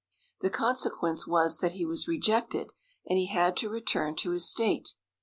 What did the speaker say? The consequence was that he was rejected, and he had to return to his state.